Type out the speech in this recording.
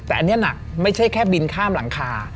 แต่อันนี้หนักไม่ใช่แค่บินข้ามหลังคา